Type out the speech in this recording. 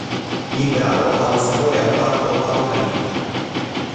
Il brano ha un sapore alquanto "apocalittico".